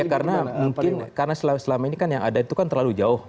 karena mungkin karena selama ini kan yang ada itu kan terlalu jauh